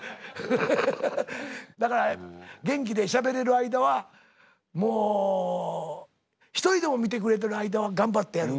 だから元気でしゃべれる間はもう一人でも見てくれてる間は頑張ってやる。